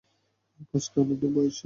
কাজটা আনন্দের নয়, ডেভ।